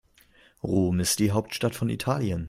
Rom ist die Hauptstadt von Italien.